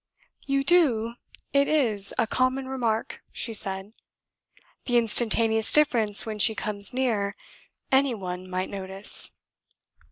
"You do; it is a common remark," she said. "The instantaneous difference when she comes near, any one might notice."